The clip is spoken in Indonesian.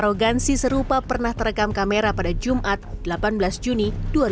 arogansi serupa pernah terekam kamera pada jumat delapan belas juni dua ribu dua puluh